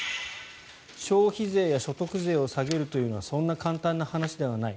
消費税や所得税を下げるというのはそんな簡単な話じゃない。